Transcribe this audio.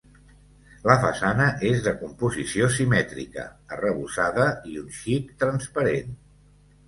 La façana és de composició simètrica, arrebossada i un xic transparent.